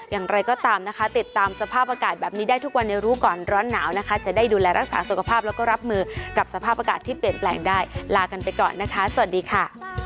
อย่างไรก็ตามนะคะติดตามสภาพอากาศแบบนี้ได้ทุกวันในรู้ก่อนร้อนหนาวนะคะจะได้ดูแลรักษาสุขภาพแล้วก็รับมือกับสภาพอากาศที่เปลี่ยนแปลงได้ลากันไปก่อนนะคะสวัสดีค่ะ